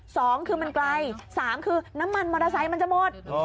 สองคือมันไกลสามคือน้ำมันมอเตอร์ไซค์มันจะหมด